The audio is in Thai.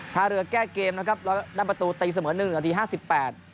ท่าเรือแก้เกมนะครับแล้วได้ประตูตีเสมอหนึ่งนาทีห้าสิบแปด